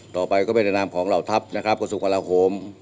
ต่อไปก็เป็นนานของเหล่าทัพกสุกรโหม